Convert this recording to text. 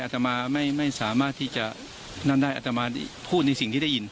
อาตมาไม่สามารถที่จะนั่นได้อัตมาพูดในสิ่งที่ได้ยิน